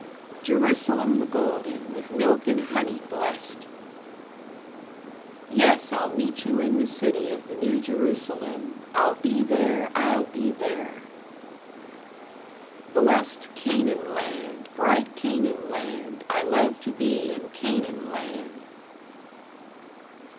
Jerusalem the golden, With milk and honey blest! Yes, I'll meet you in the city of the New Jerusalem, I'll be there, I'll be there! Blest Canaan land, bright Canaan land, I love to be in Canaan land!